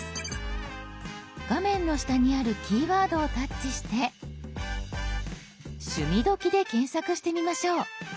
画面の下にある「キーワード」をタッチして「趣味どき」で検索してみましょう。